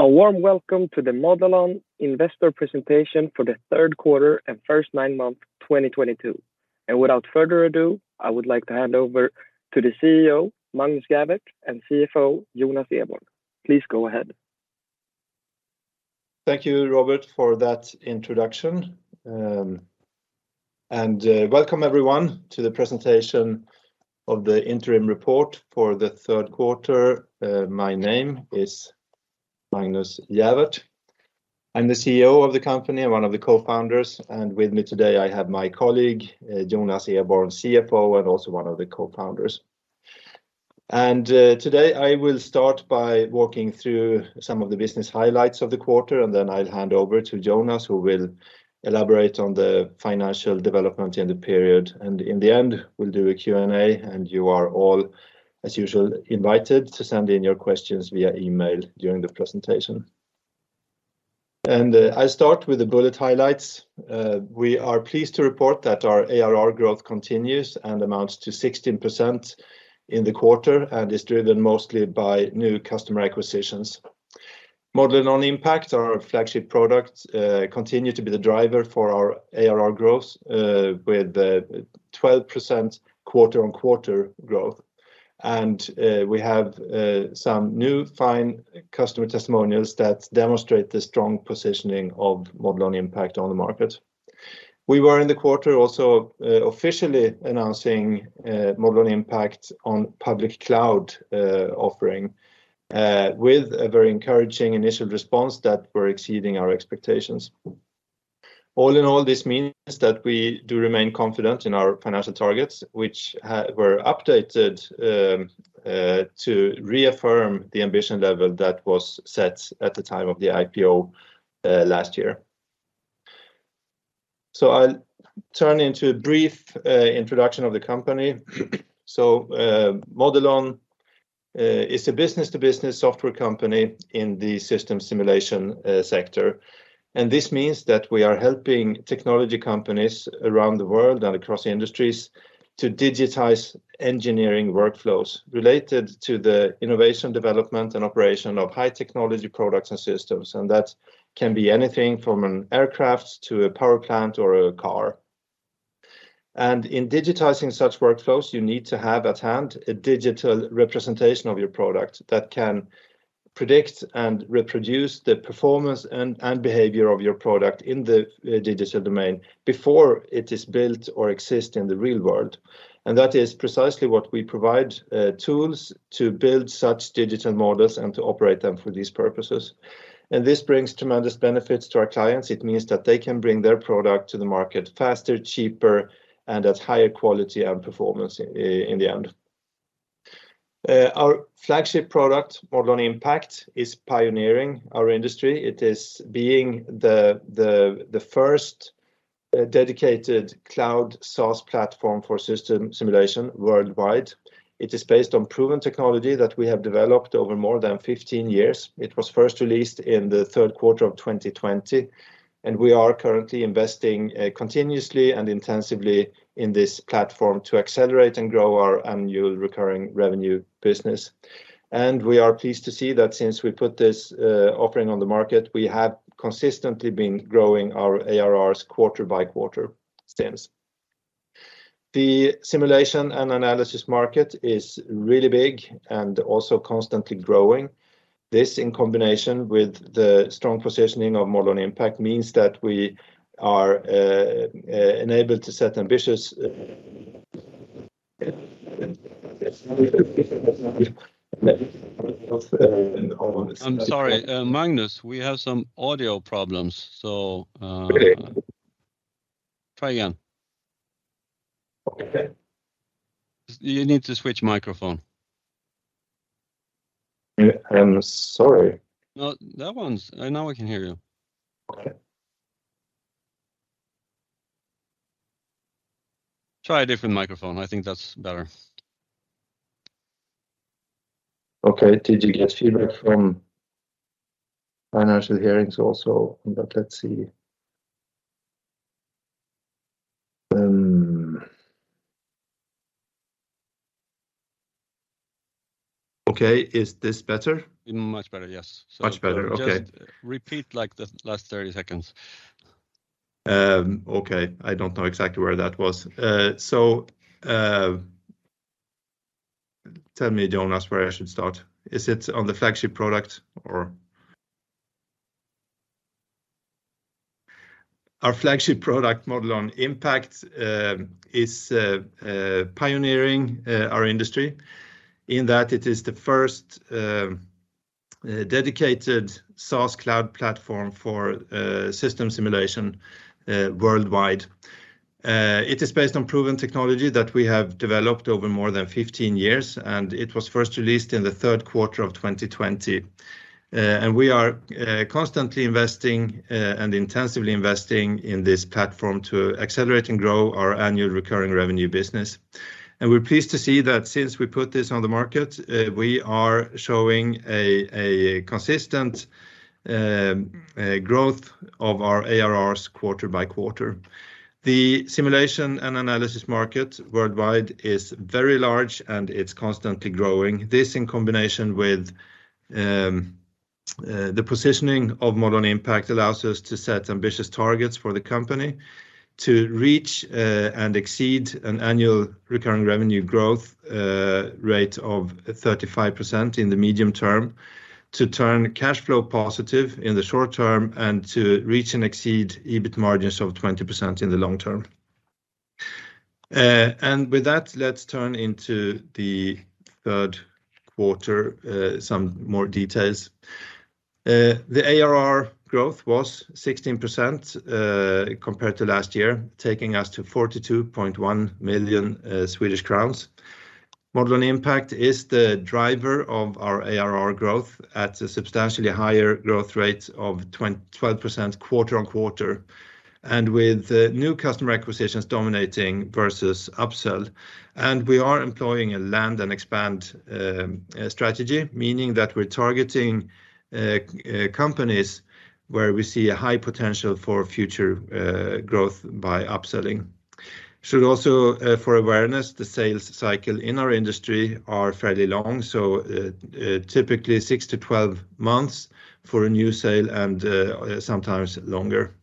A warm welcome to the Modelon investor presentation for the third quarter and first nine months, 2022. Without further ado, I would like to hand over to the CEO, Magnus Gäfvert, and CFO, Jonas Eborn. Please go ahead. Thank you, Robert, for that introduction. Welcome everyone to the presentation of the interim report for the third quarter. My name is Magnus Gäfvert. I'm the CEO of the company and one of the co-founders. With me today, I have my colleague, Jonas Eborn, CFO, and also one of the co-founders. Today I will start by walking through some of the business highlights of the quarter, and then I'll hand over to Jonas, who will elaborate on the financial development in the period. In the end, we'll do a Q&A, and you are all, as usual, invited to send in your questions via email during the presentation. I start with the bullet highlights. We are pleased to report that our ARR growth continues and amounts to 16% in the quarter and is driven mostly by new customer acquisitions. Modelon Impact, our flagship product, continue to be the driver for our ARR growth, with 12% quarter-on-quarter growth. We have some new fine customer testimonials that demonstrate the strong positioning of Modelon Impact on the market. We were in the quarter also officially announcing Modelon Impact on public cloud offering, with a very encouraging initial response that we're exceeding our expectations. All in all, this means that we do remain confident in our financial targets, which were updated to reaffirm the ambition level that was set at the time of the IPO last year. I'll turn to a brief introduction of the company. Modelon is a business-to-business software company in the system simulation sector. This means that we are helping technology companies around the world and across the industries to digitize engineering workflows related to the innovation, development, and operation of high technology products and systems. That can be anything from an aircraft to a power plant or a car. In digitizing such workflows, you need to have at hand a digital representation of your product that can predict and reproduce the performance and behavior of your product in the digital domain before it is built or exist in the real world. That is precisely what we provide, tools to build such digital models and to operate them for these purposes. This brings tremendous benefits to our clients. It means that they can bring their product to the market faster, cheaper, and at higher quality and performance in the end. Our flagship product, Modelon Impact, is pioneering our industry. It is being the first dedicated cloud SaaS platform for system simulation worldwide. It is based on proven technology that we have developed over more than 15 years. It was first released in the third quarter of 2020, and we are currently investing continuously and intensively in this platform to accelerate and grow our annual recurring revenue business. We are pleased to see that since we put this offering on the market, we have consistently been growing our ARRs quarter by quarter since. The simulation and analysis market is really big and also constantly growing. This, in combination with the strong positioning of Modelon Impact, means that we are enabled to set ambitious- I'm sorry, Magnus, we have some audio problems. Okay. Try again. Okay. You need to switch microphone. Yeah, I'm sorry. Now I can hear you. Okay. Try a different microphone. I think that's better. Okay. Did you get feedback from Financial Hearings also? Let's see. Okay. Is this better? Much better, yes. Much better. Okay. Just repeat like the last 30 seconds. Okay. I don't know exactly where that was. So, tell me, Jonas, where I should start. Is it on the flagship product or? Our flagship product, Modelon Impact, is pioneering our industry in that it is the first dedicated SaaS cloud platform for system simulation worldwide. It is based on proven technology that we have developed over more than 15 years, and it was first released in the third quarter of 2020. We are constantly investing and intensively investing in this platform to accelerate and grow our annual recurring revenue business. We're pleased to see that since we put this on the market, we are showing a consistent growth of our ARRs quarter by quarter. The simulation and analysis market worldwide is very large, and it's constantly growing. This, in combination with the positioning of Modelon Impact allows us to set ambitious targets for the company to reach and exceed an annual recurring revenue growth rate of 35% in the medium term, to turn cash flow positive in the short term and to reach and exceed EBIT margins of 20% in the long term. With that, let's turn to the third quarter, some more details. The ARR growth was 16%, compared to last year, taking us to 42.1 million Swedish crowns. Modelon Impact is the driver of our ARR growth at a substantially higher growth rate of 12% quarter-on-quarter and with new customer acquisitions dominating versus upsell. We are employing a land and expand strategy, meaning that we're targeting companies where we see a high potential for future growth by upselling. Should also for awareness, the sales cycle in our industry are fairly long, so typically six to 12 months for a new sale and sometimes longer.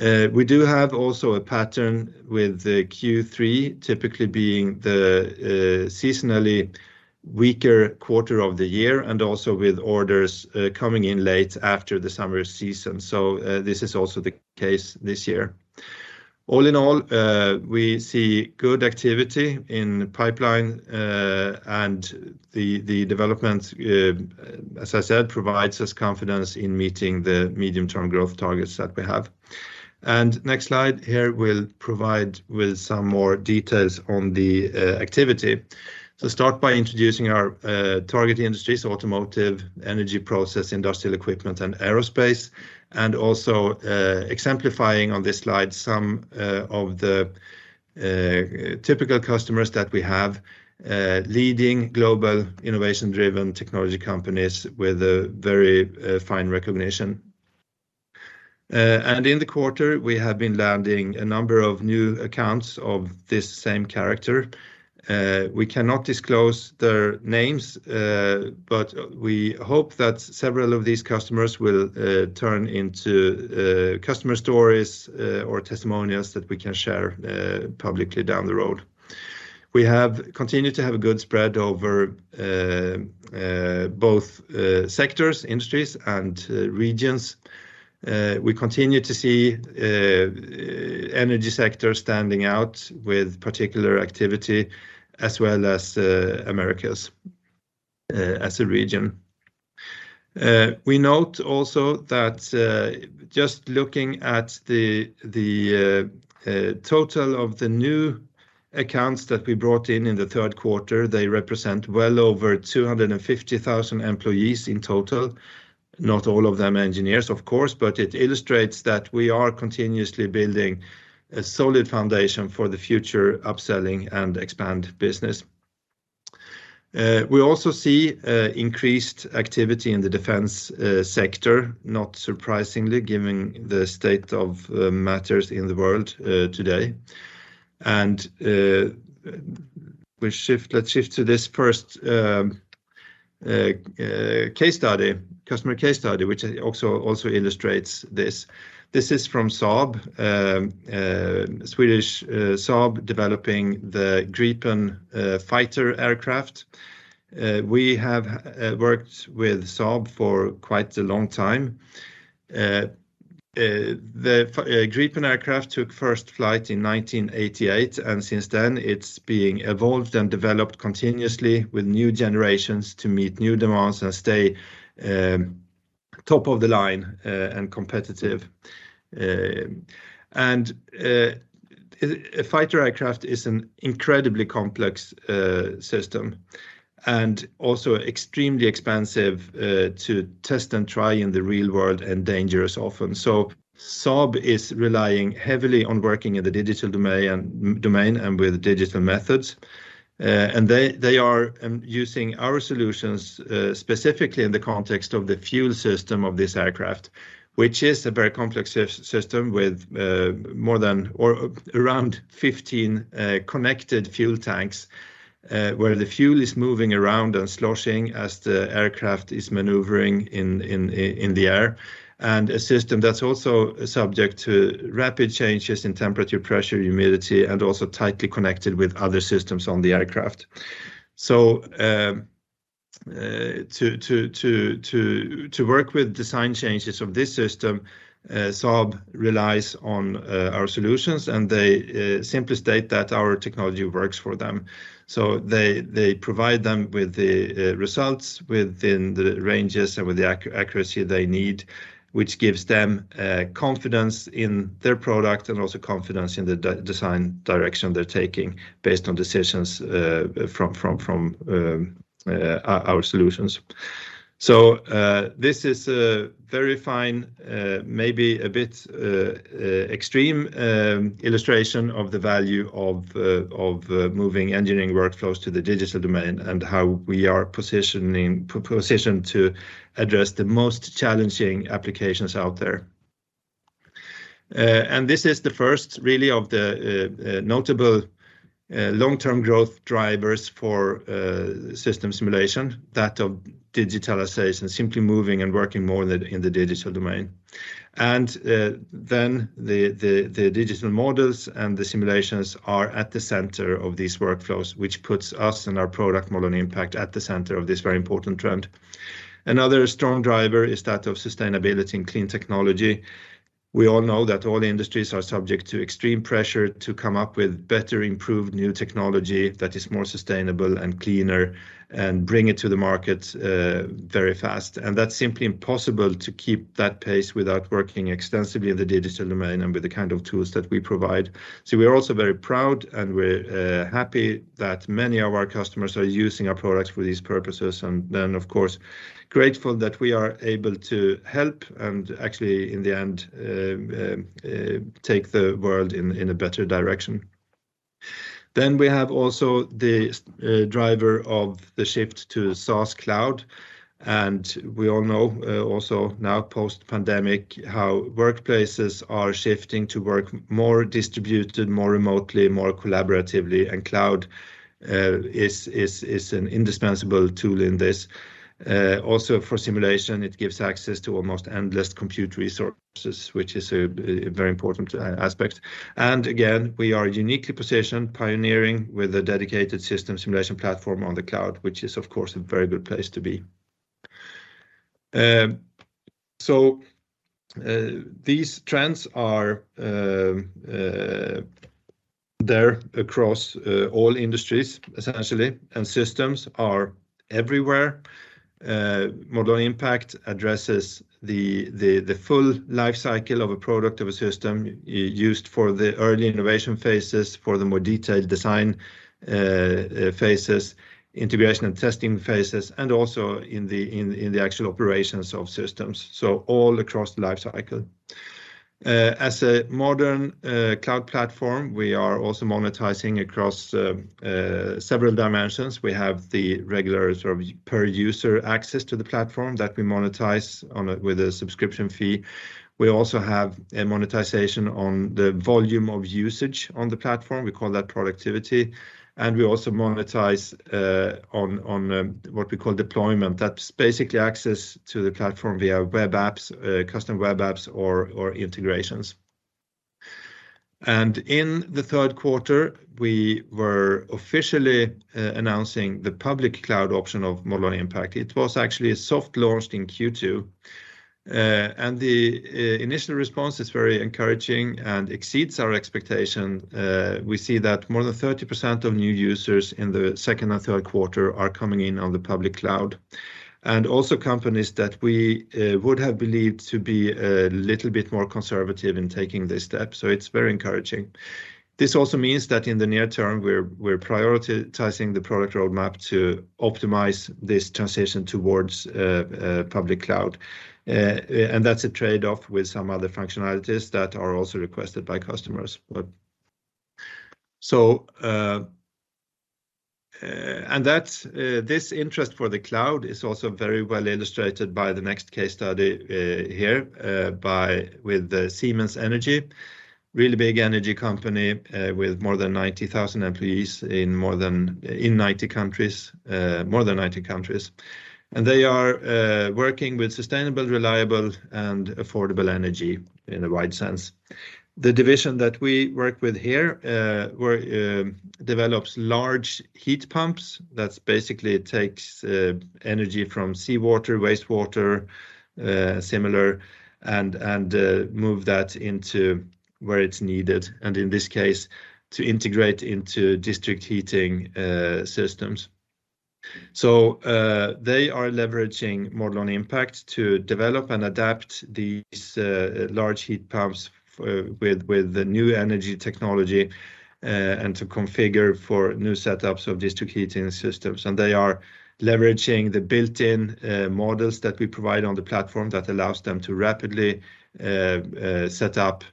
We do have also a pattern with the Q3 typically being the seasonally weaker quarter of the year and also with orders coming in late after the summer season. This is also the case this year. All in all, we see good activity in pipeline and the development as I said provides us confidence in meeting the medium-term growth targets that we have. Next slide here will provide with some more details on the activity. Start by introducing our target industries, automotive, energy & process, industrial equipment, and aerospace, and also exemplifying on this slide some of the typical customers that we have, leading global innovation-driven technology companies with a very high recognition. In the quarter, we have been landing a number of new accounts of this same character. We cannot disclose their names, but we hope that several of these customers will turn into customer stories or testimonials that we can share publicly down the road. We have continued to have a good spread over both sectors, industries, and regions. We continue to see energy sector standing out with particular activity as well as Americas as a region. We note also that, just looking at the total of the new accounts that we brought in in the third quarter, they represent well over 250,000 employees in total. Not all of them engineers, of course, but it illustrates that we are continuously building a solid foundation for the future upselling and expand business. We also see increased activity in the defense sector, not surprisingly given the state of matters in the world today. Let's shift to this first customer case study, which also illustrates this. This is from Saab, Swedish Saab developing the Gripen fighter aircraft. We have worked with Saab for quite a long time. The Gripen aircraft took first flight in 1988, and since then, it's being evolved and developed continuously with new generations to meet new demands and stay top of the line and competitive. A fighter aircraft is an incredibly complex system and also extremely expensive to test and try in the real world and dangerous often. Saab is relying heavily on working in the digital domain and with digital methods. They are using our solutions specifically in the context of the fuel system of this aircraft, which is a very complex system with more than or around 15 connected fuel tanks, where the fuel is moving around and sloshing as the aircraft is maneuvering in the air, and a system that's also subject to rapid changes in temperature, pressure, humidity, and also tightly connected with other systems on the aircraft. To work with design changes of this system, Saab relies on our solutions, and they simply state that our technology works for them. They provide them with the results within the ranges and with the accuracy they need, which gives them confidence in their product and also confidence in the design direction they're taking based on decisions from our solutions. This is a very fine, maybe a bit extreme, illustration of the value of moving engineering workflows to the digital domain and how we are positioned to address the most challenging applications out there. This is the first really notable long-term growth drivers for system simulation, that of digitalization, simply moving and working more in the digital domain. The digital models and the simulations are at the center of these workflows, which puts us and our product Modelon Impact at the center of this very important trend. Another strong driver is that of sustainability and clean technology. We all know that all industries are subject to extreme pressure to come up with better improved new technology that is more sustainable and cleaner and bring it to the market very fast. That's simply impossible to keep that pace without working extensively in the digital domain and with the kind of tools that we provide. We're also very proud, and we're happy that many of our customers are using our products for these purposes, and then of course, grateful that we are able to help and actually in the end take the world in a better direction. We have also the driver of the shift to SaaS cloud, and we all know also now post-pandemic how workplaces are shifting to work more distributed, more remotely, more collaboratively, and cloud is an indispensable tool in this. Also for simulation, it gives access to almost endless compute resources, which is a very important aspect. Again, we are uniquely positioned pioneering with a dedicated system simulation platform on the cloud, which is of course a very good place to be. These trends are across all industries essentially, and systems are everywhere. Modelon Impact addresses the full life cycle of a product, of a system used for the early innovation phases, for the more detailed design phases, integration and testing phases, and also in the actual operations of systems, so all across the life cycle. As a modern cloud platform, we are also monetizing across several dimensions. We have the regular sort of per user access to the platform that we monetize on with a subscription fee. We also have a monetization on the volume of usage on the platform, we call that productivity. We also monetize on what we call deployment. That's basically access to the platform via web apps, custom web apps or integrations. In the third quarter, we were officially announcing the public cloud option of Modelon Impact. It was actually soft launched in Q2. The initial response is very encouraging and exceeds our expectation. We see that more than 30% of new users in the second and third quarter are coming in on the public cloud. Also companies that we would have believed to be a little bit more conservative in taking this step, so it's very encouraging. This also means that in the near term, we're prioritizing the product roadmap to optimize this transition towards public cloud. And that's a trade-off with some other functionalities that are also requested by customers. This interest for the cloud is also very well illustrated by the next case study here with Siemens Energy, really big energy company with more than 90,000 employees in more than 90 countries. They are working with sustainable, reliable, and affordable energy in a wide sense. The division that we work with here develops large heat pumps that basically takes energy from seawater, wastewater, similar, and move that into where it's needed, and in this case, to integrate into district heating systems. They are leveraging Modelon Impact to develop and adapt these large heat pumps with the new energy technology and to configure for new setups of district heating systems. They are leveraging the built-in models that we provide on the platform that allows them to rapidly set up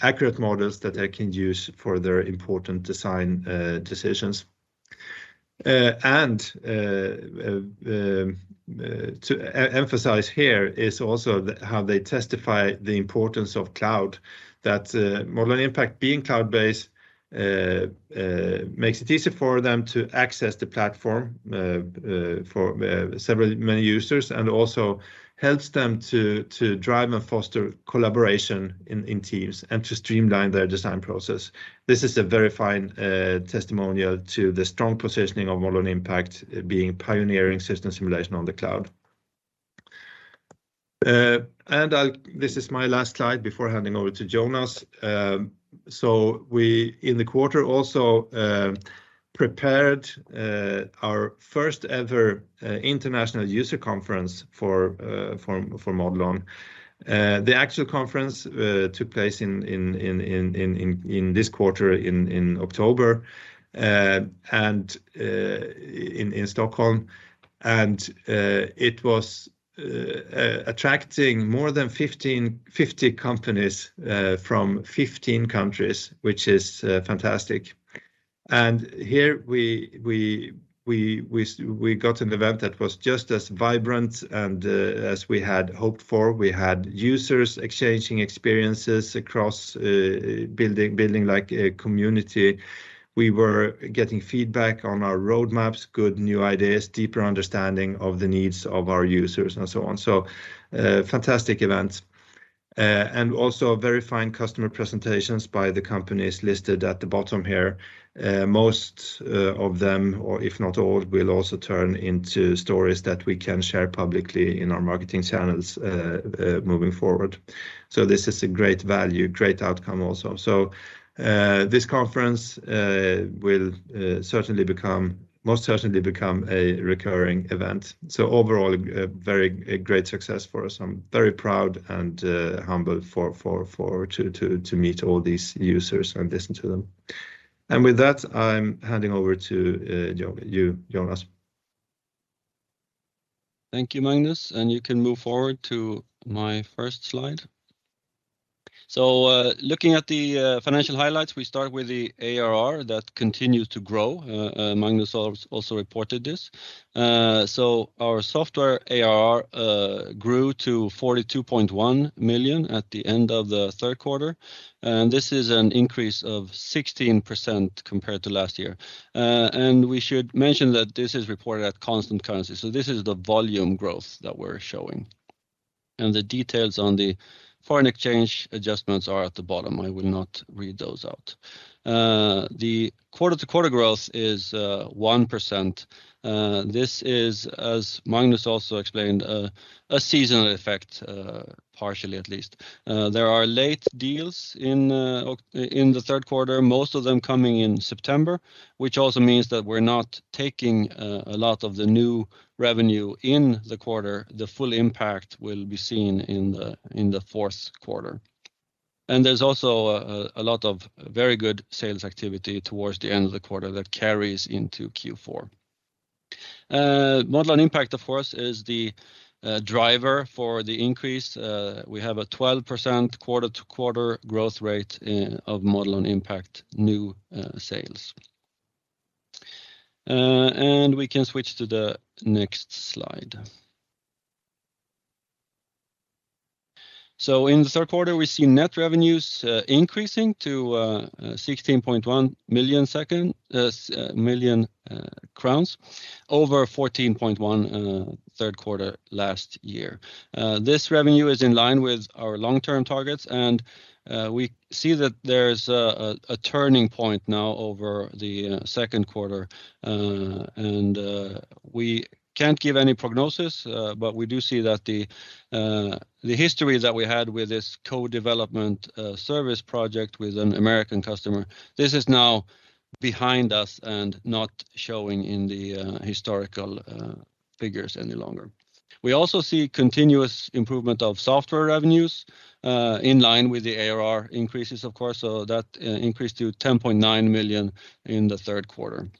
accurate models that they can use for their important design decisions. To emphasize here is also how they testify the importance of cloud that Modelon Impact being cloud-based makes it easy for them to access the platform for several, many users and also helps them to drive and foster collaboration in teams and to streamline their design process. This is a very fine testimonial to the strong positioning of Modelon Impact being pioneering system simulation on the cloud. This is my last slide before handing over to Jonas. We, in the quarter, also prepared our first ever international user conference for Modelon. The actual conference took place in this quarter in October and in Stockholm. It was attracting more than 50 companies from 15 countries, which is fantastic. Here we got an event that was just as vibrant and as we had hoped for. We had users exchanging experiences across building like a community. We were getting feedback on our roadmaps, good new ideas, deeper understanding of the needs of our users and so on. Fantastic event. And also very fine customer presentations by the companies listed at the bottom here. Most of them, or if not all, will also turn into stories that we can share publicly in our marketing channels, moving forward. This is a great value, great outcome also. This conference will most certainly become a recurring event. Overall, a very great success for us. I'm very proud and humbled to meet all these users and listen to them. With that, I'm handing over to you, Jonas. Thank you, Magnus, and you can move forward to my first slide. Looking at the financial highlights, we start with the ARR that continues to grow. Magnus also reported this. Our software ARR grew to 42.1 million at the end of the third quarter, and this is an increase of 16% compared to last year. We should mention that this is reported at constant currency. This is the volume growth that we're showing. The details on the foreign exchange adjustments are at the bottom. I will not read those out. The quarter-to-quarter growth is 1%. This is, as Magnus also explained, a seasonal effect, partially at least. There are late deals in the third quarter, most of them coming in September, which also means that we're not taking a lot of the new revenue in the quarter. The full impact will be seen in the fourth quarter. There's also a lot of very good sales activity towards the end of the quarter that carries into Q4. Modelon Impact, of course, is the driver for the increase. We have a 12% quarter-to-quarter growth rate of Modelon Impact new sales. We can switch to the next slide. In the third quarter, we see net revenues increasing to 16.1 million over 14.1 million third quarter last year. This revenue is in line with our long-term targets, and we see that there's a turning point now over the second quarter. We can't give any prognosis, but we do see that the history that we had with this co-development service project with an American customer. This is now behind us and not showing in the historical figures any longer. We also see continuous improvement of software revenues in line with the ARR increases, of course, so that increased to 10.9 million in the third quarter.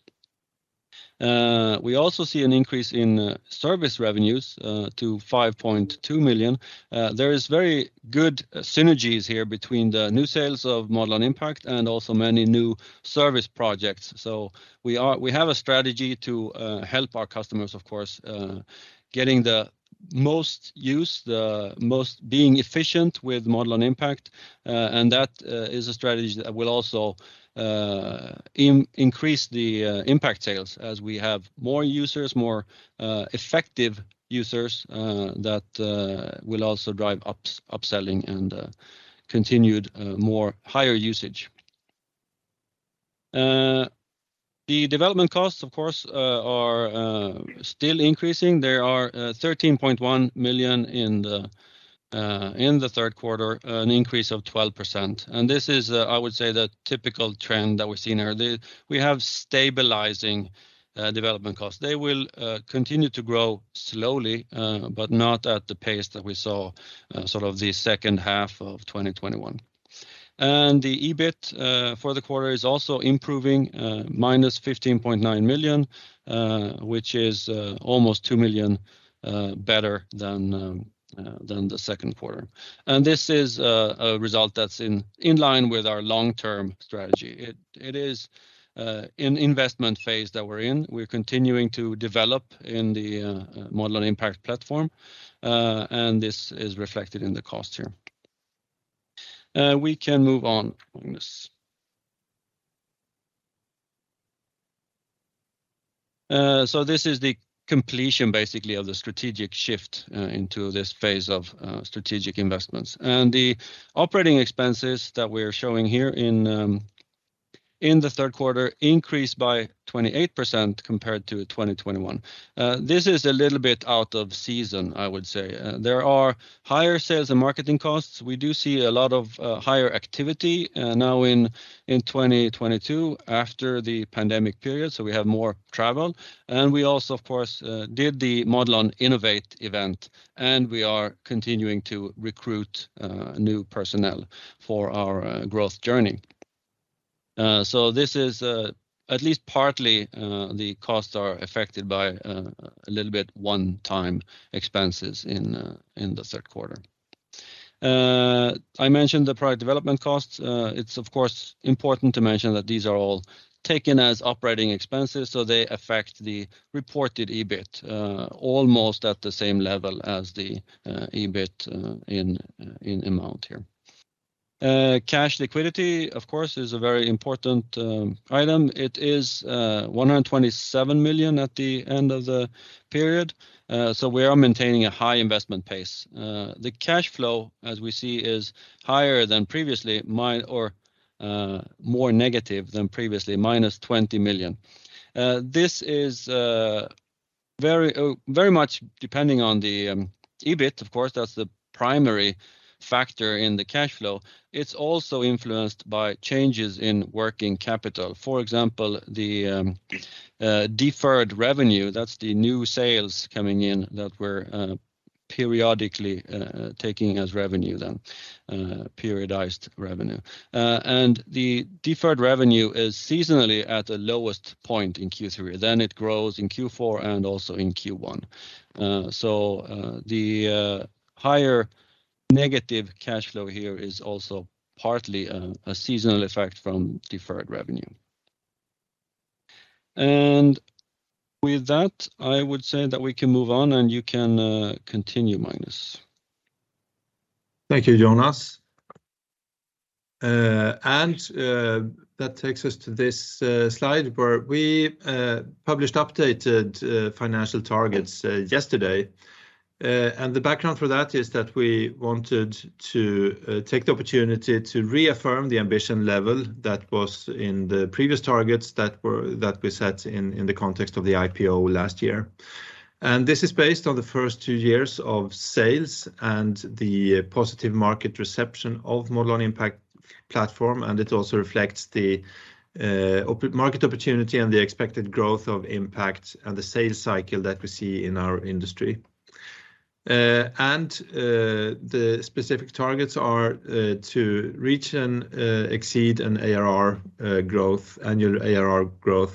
We also see an increase in service revenues to 5.2 million. There is very good synergies here between the new sales of Modelon Impact and also many new service projects. We have a strategy to help our customers, of course, getting the most use, the most being efficient with Modelon Impact, and that is a strategy that will also increase the Impact sales as we have more users, more effective users, that will also drive upselling and continued more higher usage. The development costs, of course, are still increasing. There are 13.1 million in the third quarter, an increase of 12%. This is, I would say, the typical trend that we're seeing here. We have stabilizing development costs. They will continue to grow slowly, but not at the pace that we saw sort of the second half of 2021. The EBIT for the quarter is also improving, -15.9 million, which is almost two million SEK better than the second quarter. This is a result that's in line with our long-term strategy. It is an investment phase that we're in. We're continuing to develop the Modelon Impact platform, and this is reflected in the cost here. We can move on, Magnus. This is the completion basically of the strategic shift into this phase of strategic investments. The operating expenses that we're showing here in the third quarter increased by 28% compared to 2021. This is a little bit out of season, I would say. There are higher sales and marketing costs. We do see a lot of higher activity now in 2022 after the pandemic period, so we have more travel. We also, of course, did the Modelon Innovate event, and we are continuing to recruit new personnel for our growth journey. This is at least partly the costs are affected by a little bit one-time expenses in the third quarter. I mentioned the product development costs. It's of course important to mention that these are all taken as operating expenses, so they affect the reported EBIT almost at the same level as the EBIT in amount here. Cash liquidity, of course, is a very important item. It is 127 million at the end of the period. We are maintaining a high investment pace. The cash flow, as we see, is higher than previously or more negative than previously, -20 million. This is very much depending on the EBIT, of course, that's the primary factor in the cash flow. It's also influenced by changes in working capital. For example, the deferred revenue, that's the new sales coming in that we're periodically taking as revenue then periodized revenue. The deferred revenue is seasonally at the lowest point in Q3, then it grows in Q4 and also in Q1. The higher negative cash flow here is also partly a seasonal effect from deferred revenue. With that, I would say that we can move on, and you can continue, Magnus. Thank you, Jonas. That takes us to this slide where we published updated financial targets yesterday. The background for that is that we wanted to take the opportunity to reaffirm the ambition level that was in the previous targets that we set in the context of the IPO last year. This is based on the first two years of sales and the positive market reception of Modelon Impact platform, and it also reflects the market opportunity and the expected growth of Impact and the sales cycle that we see in our industry. The specific targets are to reach and exceed annual ARR growth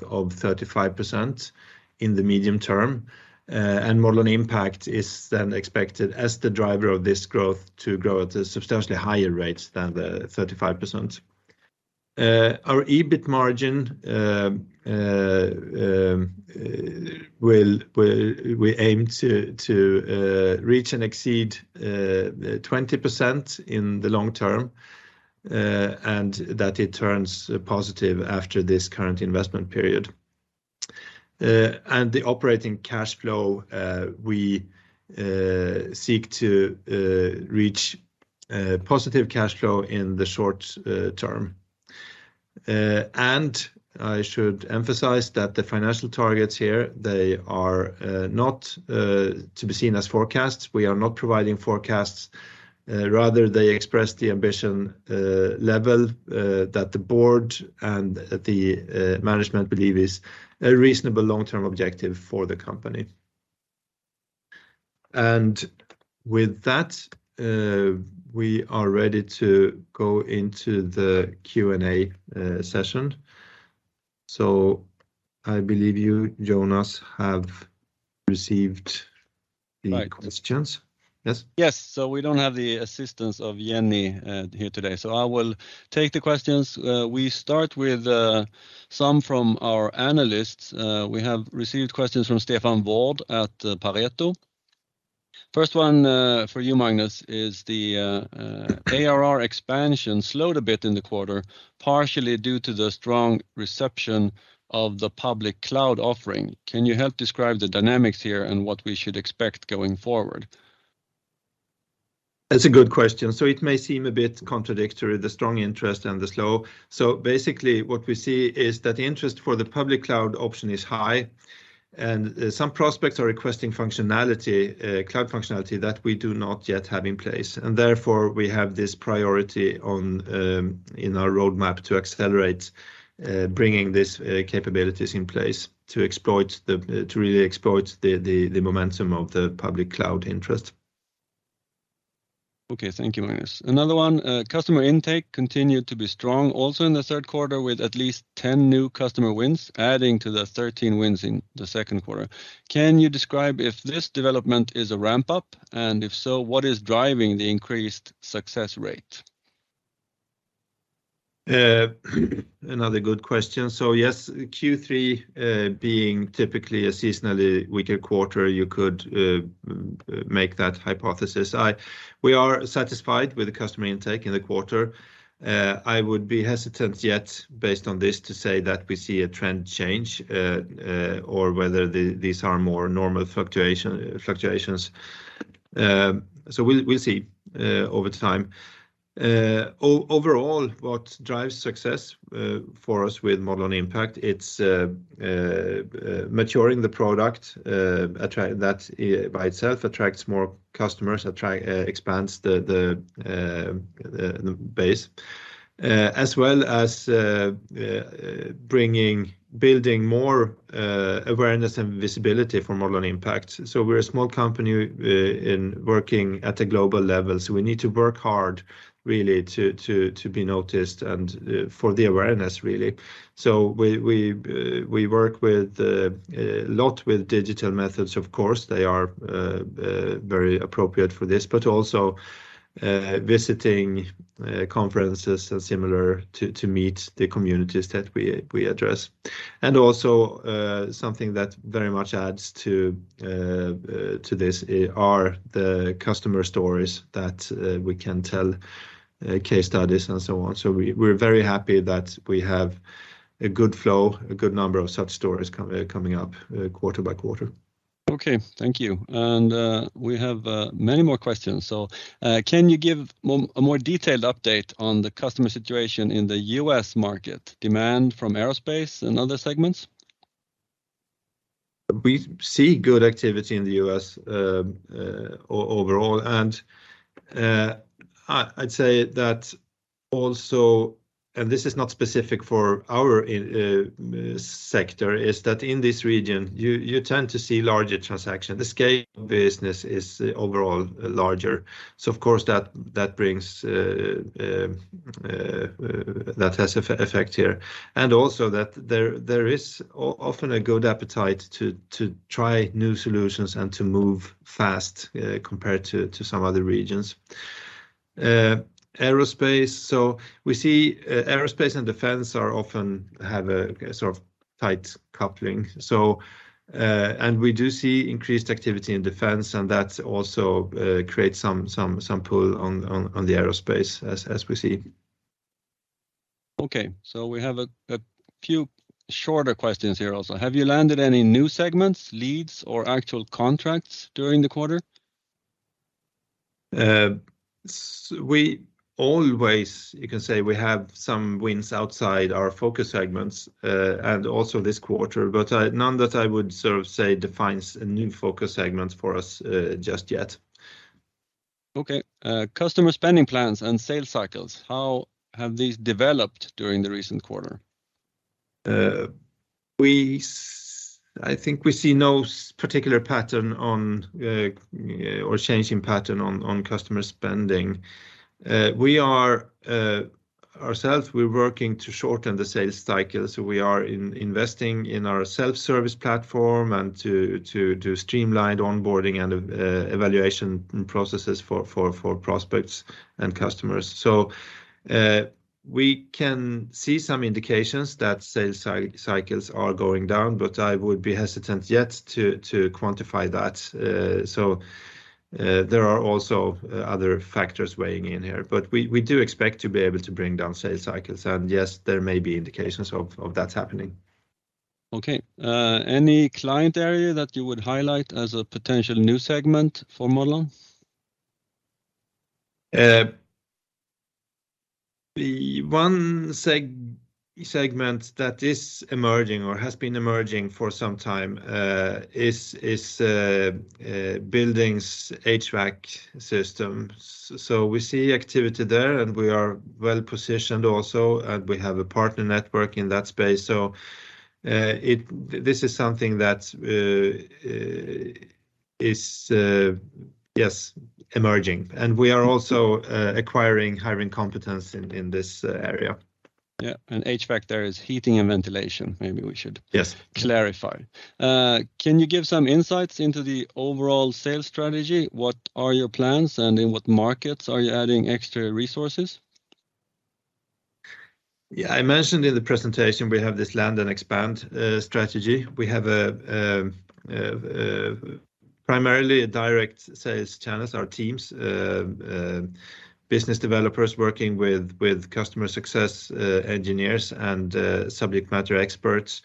of 35% in the medium term. Modelon Impact is then expected, as the driver of this growth, to grow at a substantially higher rate than the 35%. Our EBIT margin, we aim to reach and exceed 20% in the long term, and that it turns positive after this current investment period. The operating cash flow, we seek to reach positive cash flow in the short term. I should emphasize that the financial targets here, they are not to be seen as forecasts. We are not providing forecasts. Rather they express the ambition level that the board and the management believe is a reasonable long-term objective for the company. With that, we are ready to go into the Q&A session. I believe you, Jonas, have received the questions. Right. Yes? Yes. We don't have the assistance of Jenny here today, so I will take the questions. We start with some from our analysts. We have received questions from Stefan Wård at Pareto. First one for you, Magnus, is the ARR expansion slowed a bit in the quarter, partially due to the strong reception of the public cloud offering. Can you help describe the dynamics here and what we should expect going forward? That's a good question. It may seem a bit contradictory, the strong interest and the slowdown. Basically, what we see is that interest for the public cloud option is high, and some prospects are requesting functionality, cloud functionality that we do not yet have in place. Therefore, we have this priority in our roadmap to accelerate bringing these capabilities in place to really exploit the momentum of the public cloud interest. Okay. Thank you, Magnus. Another one, customer intake continued to be strong also in the third quarter with at least 10 new customer wins, adding to the 13 wins in the second quarter. Can you describe if this development is a ramp-up, and if so, what is driving the increased success rate? Another good question. Yes, Q3 being typically a seasonally weaker quarter, you could make that hypothesis. We are satisfied with the customer intake in the quarter. I would be hesitant yet based on this to say that we see a trend change, or whether these are more normal fluctuations. We'll see over time. Overall, what drives success for us with Modelon Impact, it's maturing the product. That by itself attracts more customers, expands the base. As well as building more awareness and visibility for Modelon Impact. We're a small company and working at a global level, so we need to work hard really to be noticed and for the awareness, really. We work a lot with digital methods, of course. They are very appropriate for this, but also visiting conferences and similar to meet the communities that we address. Something that very much adds to this are the customer stories that we can tell, case studies and so on. We're very happy that we have a good flow, a good number of such stories coming up quarter by quarter. Okay, thank you. We have many more questions. Can you give a more detailed update on the customer situation in the U.S. market demand from aerospace and other segments? We see good activity in the U.S. overall. I'd say that also, and this is not specific for our sector, is that in this region, you tend to see larger transactions. The scale of business is overall larger. Of course that has effect here. Also that there is often a good appetite to try new solutions and to move fast, compared to some other regions. Aerospace, so we see, aerospace and defense often have a sort of tight coupling. We do see increased activity in defense and that also creates some pull on the aerospace as we see. Okay. We have a few shorter questions here also. Have you landed any new segments, leads or actual contracts during the quarter? We always, you can say we have some wins outside our focus segments, and also this quarter, but none that I would sort of say defines a new focus segment for us, just yet. Okay. Customer spending plans and sales cycles, how have these developed during the recent quarter? I think we see no particular pattern on or change in pattern on customer spending. We are ourselves, we're working to shorten the sales cycle, so we are investing in our self-service platform and to streamline the onboarding and evaluation processes for prospects and customers. We can see some indications that sales cycles are going down, but I would be hesitant yet to quantify that. There are also other factors weighing in here, but we do expect to be able to bring down sales cycles and yes, there may be indications of that happening. Okay. Any client area that you would highlight as a potential new segment for Modelon? The one segment that is emerging or has been emerging for some time is buildings' HVAC systems. We see activity there and we are well positioned also and we have a partner network in that space. This is something that is, yes, emerging and we are also hiring competence in this area. Yeah. HVAC there is heating and ventilation. Yes Clarify. Can you give some insights into the overall sales strategy? What are your plans and in what markets are you adding extra resources? Yeah, I mentioned in the presentation we have this land and expand strategy. We have primarily direct sales channels, our teams, business developers working with customer success engineers and subject matter experts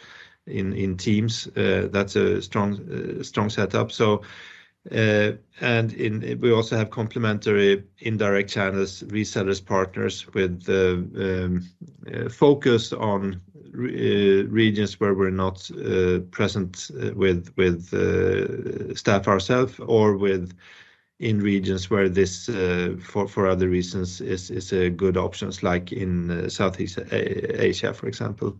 in teams. That's a strong setup. We also have complementary indirect channels, resellers, partners with the focus on regions where we're not present with staff ourselves or within regions where this for other reasons is a good options like in Southeast Asia, for example.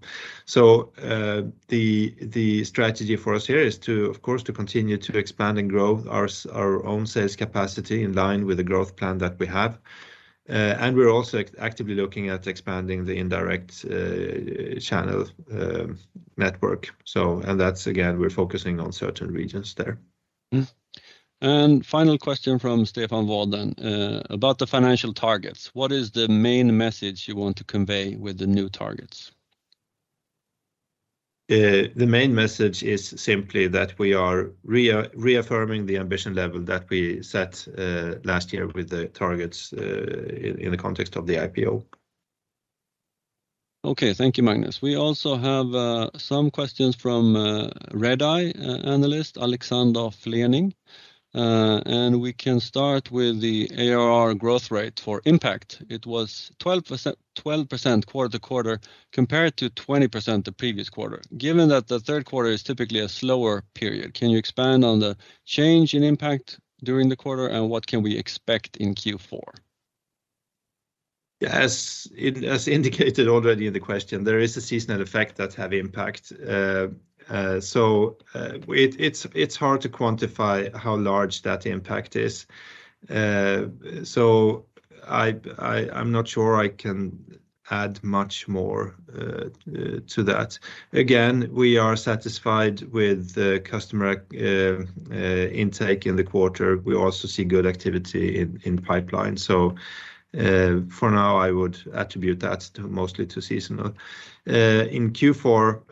The strategy for us here is to, of course, to continue to expand and grow our own sales capacity in line with the growth plan that we have. We're also actively looking at expanding the indirect channel network. That's again, we're focusing on certain regions there. Final question from Stefan Wård about the financial targets. What is the main message you want to convey with the new targets? The main message is simply that we are reaffirming the ambition level that we set last year with the targets in the context of the IPO. Okay. Thank you, Magnus. We also have some questions from Redeye Analyst Alexander Flening. We can start with the ARR growth rate for Impact. It was 12% quarter-to-quarter compared to 20% the previous quarter. Given that the third quarter is typically a slower period, can you expand on the change in Impact during the quarter and what can we expect in Q4? Yes. As indicated already in the question, there is a seasonal effect that have impact. It's hard to quantify how large that impact is. I'm not sure I can add much more to that. Again, we are satisfied with the customer intake in the quarter. We also see good activity in pipeline. For now, I would attribute that to mostly seasonal. In Q4,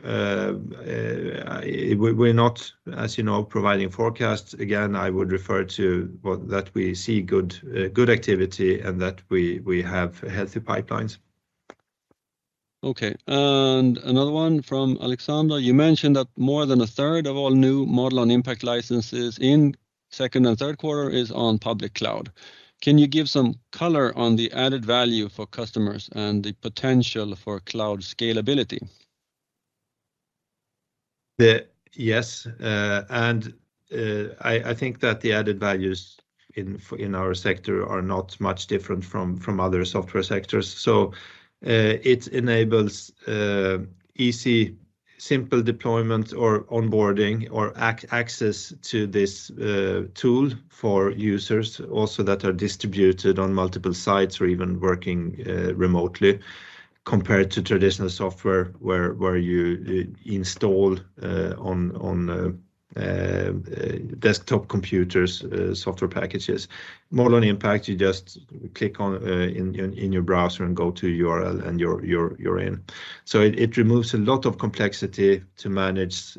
we're not, as you know, providing forecasts. Again, I would refer to that we see good activity and that we have healthy pipelines. Okay. Another one from Alexander Flening. You mentioned that more than a third of all new Modelon Impact licenses in second and third quarter is on public cloud. Can you give some color on the added value for customers and the potential for cloud scalability? Yes, I think that the added values in our sector are not much different from other software sectors. It enables easy, simple deployment or onboarding or access to this tool for users also that are distributed on multiple sites or even working remotely compared to traditional software where you install on desktop computers software packages. Modelon Impact, you just click on in your browser and go to URL and you're in. It removes a lot of complexity to manage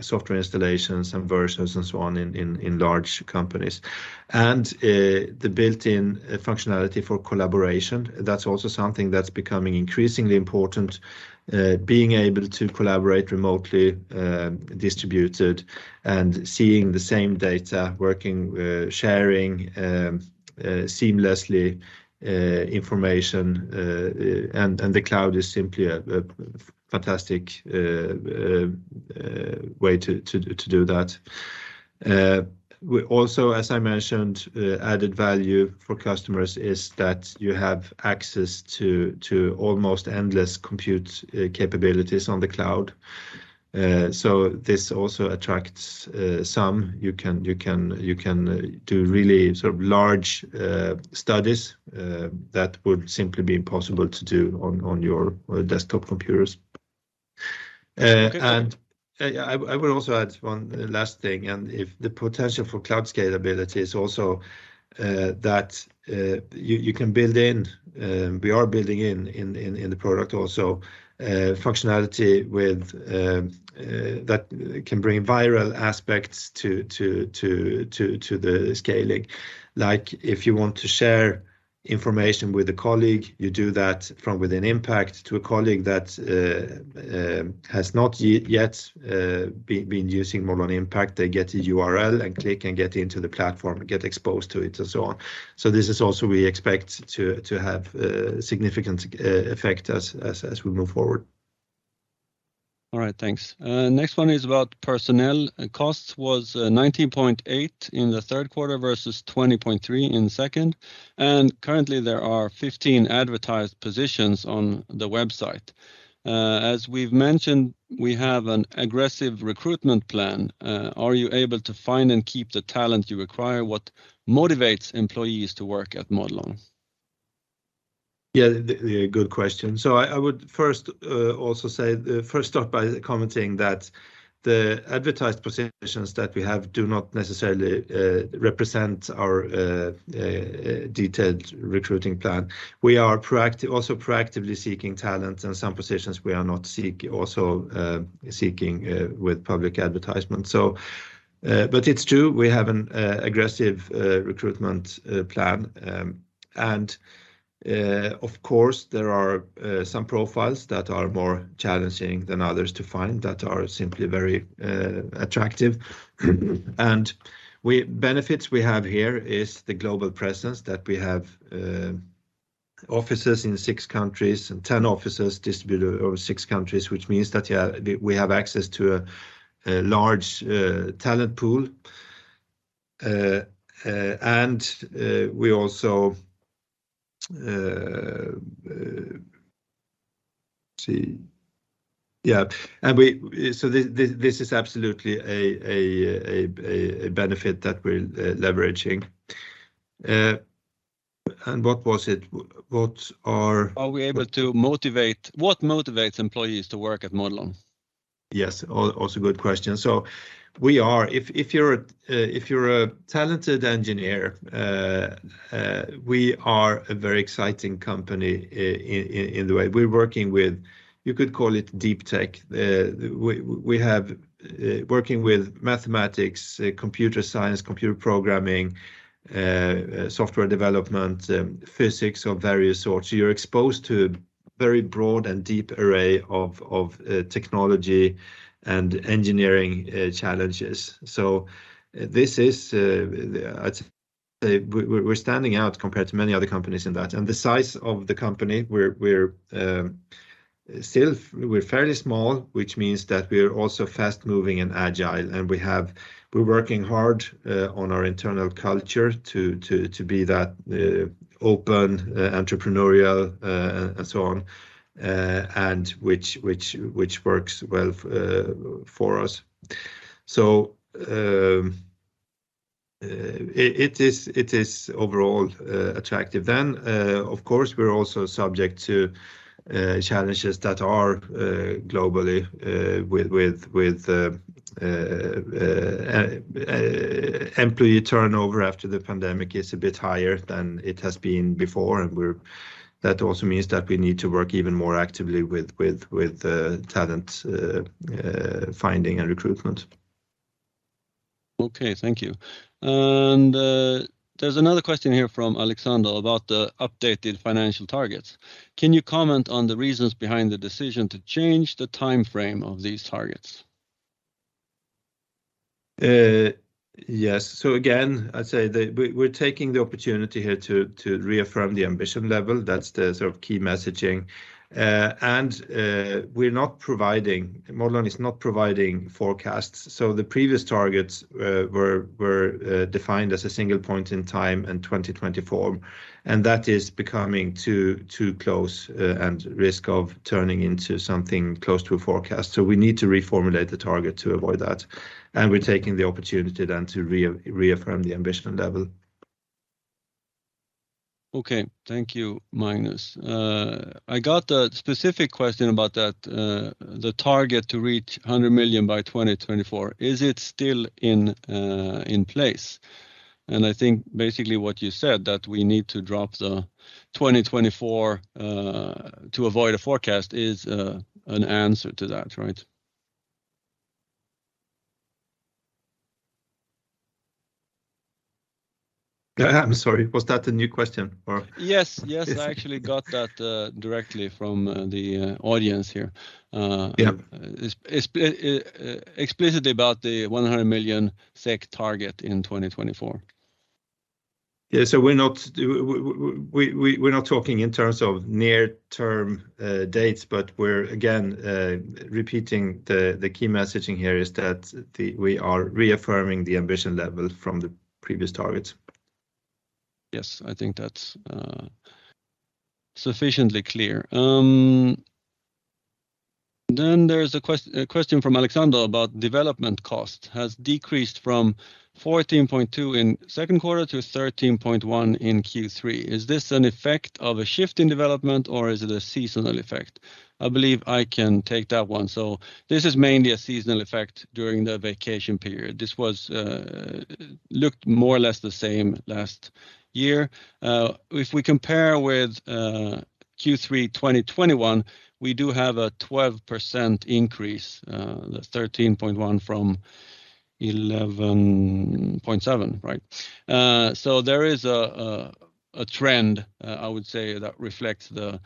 software installations and versions and so on in large companies. The built-in functionality for collaboration, that's also something that's becoming increasingly important. Being able to collaborate remotely, distributed and seeing the same data, working, sharing seamlessly information. The cloud is simply a fantastic way to do that. We also, as I mentioned, added value for customers is that you have access to almost endless compute capabilities on the cloud. This also attracts some. You can do really sort of large studies that would simply be impossible to do on your desktop computers. I would also add one last thing, and if the potential for cloud scalability is also that you can build in... We are building in the product also functionality with that can bring viral aspects to the scaling. Like, if you want to share information with a colleague, you do that from within Impact to a colleague that has not yet been using Modelon Impact. They get a URL and click and get into the platform and get exposed to it and so on. This is also we expect to have significant effect as we move forward. All right, thanks. Next one is about personnel costs was 19.8 in the third quarter versus 20.3 in second, and currently there are 15 advertised positions on the website. As we've mentioned, we have an aggressive recruitment plan. Are you able to find and keep the talent you require? What motivates employees to work at Modelon? Yeah, good question. I would first start by commenting that the advertised positions that we have do not necessarily represent our detailed recruiting plan. We are also proactively seeking talent, and some positions we are not also seeking with public advertisement. But it's true, we have an aggressive recruitment plan. And, of course, there are some profiles that are more challenging than others to find that are simply very attractive. Benefits we have here is the global presence that we have, offices in six countries, and 10 offices distributed over six countries, which means that, yeah, we have access to a large talent pool. This is absolutely a benefit that we're leveraging. What was it? What are- What motivates employees to work at Modelon? Yes. Also good question. If you're a talented engineer, we are a very exciting company in the way. We're working with, you could call it deep tech, working with mathematics, computer science, computer programming, software development, physics of various sorts. You're exposed to very broad and deep array of technology and engineering challenges. We're standing out compared to many other companies in that. The size of the company, we're still fairly small, which means that we are also fast-moving and agile. We're working hard on our internal culture to be that open, entrepreneurial, and so on. Which works well for us. It is overall attractive. Of course, we're also subject to challenges that are globally with employee turnover after the pandemic is a bit higher than it has been before. That also means that we need to work even more actively with talent finding and recruitment. Okay, thank you. There's another question here from Alexander about the updated financial targets. Can you comment on the reasons behind the decision to change the timeframe of these targets? Yes. Again, I'd say that we're taking the opportunity here to reaffirm the ambition level. That's the sort of key messaging. We're not providing. Modelon is not providing forecasts. The previous targets were defined as a single point in time in 2024, and that is becoming too close, and risk of turning into something close to a forecast. We need to reformulate the target to avoid that. We're taking the opportunity then to reaffirm the ambition level. Okay. Thank you, Magnus. I got a specific question about that, the target to reach 100 million by 2024. Is it still in place? I think basically what you said, that we need to drop the 2024 to avoid a forecast is an answer to that, right? I'm sorry, was that a new question or? Yes. I actually got that directly from the audience here. Yeah. Explicitly about the 100 million SEK target in 2024. Yeah. We're not talking in terms of near-term dates, but we're again repeating the key messaging here is that we are reaffirming the ambition level from the previous targets. Yes, I think that's sufficiently clear. There's a question from Alexander about development cost has decreased from 14.2 in second quarter to 13.1 in Q3. Is this an effect of a shift in development or is it a seasonal effect? I believe I can take that one. This is mainly a seasonal effect during the vacation period. This looked more or less the same last year. If we compare with Q3 2021, we do have a 12% increase, that's 13.1 from 11.7, right? There is a trend I would say that reflects the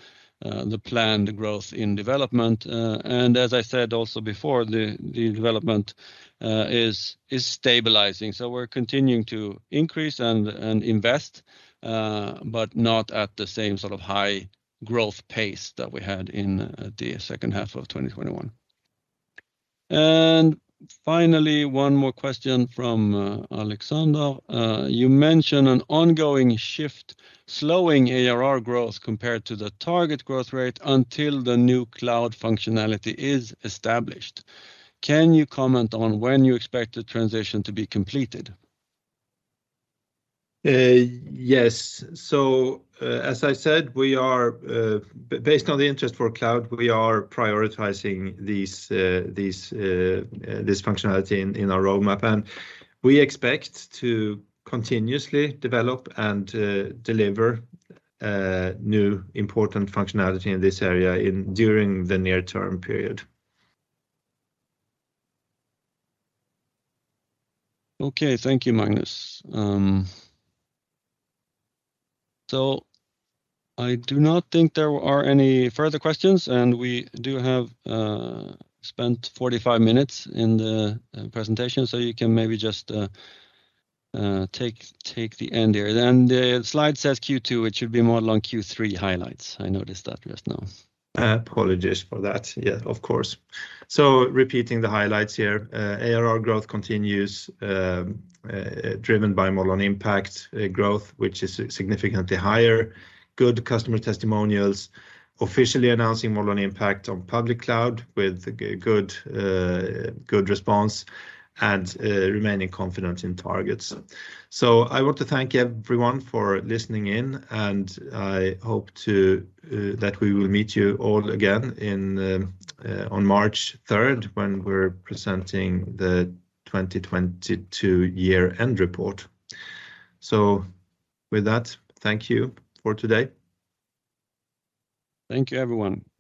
planned growth in development. As I said also before, the development is stabilizing. We're continuing to increase and invest, but not at the same sort of high growth pace that we had in the second half of 2021. Finally, one more question from Alexander. You mentioned an ongoing shift slowing ARR growth compared to the target growth rate until the new cloud functionality is established. Can you comment on when you expect the transition to be completed? Yes. As I said, we are based on the interest for cloud, we are prioritizing this functionality in our roadmap, and we expect to continuously develop and deliver new important functionality in this area during the near-term period. Okay. Thank you, Magnus. I do not think there are any further questions, and we do have spent 45 minutes in the presentation, so you can maybe just take the end there. The slide says Q2, it should be Modelon Q3 highlights. I noticed that just now. Apologies for that. Yeah, of course. Repeating the highlights here. ARR growth continues, driven by Modelon Impact growth, which is significantly higher. Good customer testimonials. Officially announcing Modelon Impact on public cloud with good response and remaining confident in targets. I want to thank everyone for listening in, and I hope to that we will meet you all again in on March third when we're presenting the 2022 year-end report. With that, thank you for today. Thank you, everyone.